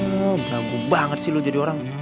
lo berlaku banget sih lo jadi orang